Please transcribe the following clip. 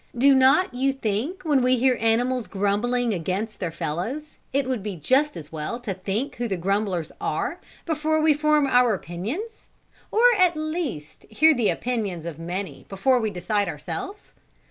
Do not you think when we hear animals grumbling against their fellows, it would be just as well to think who the grumblers are, before we form our opinions? or, at least, hear the opinions of many before we decide ourselves?